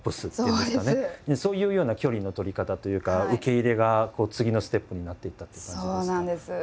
そういうような距離の取り方というか受け入れが次のステップになっていったという感じなんですか？